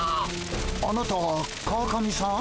あなたは川上さん？